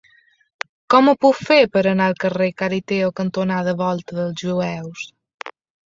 Com ho puc fer per anar al carrer Cariteo cantonada Volta dels Jueus?